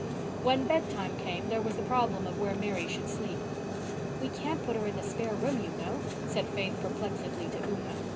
When bedtime came there was the problem of where Mary should sleep. "We can't put her in the spare room, you know," said Faith perplexedly to Una.